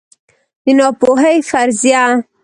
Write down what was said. د ناپوهۍ فرضیه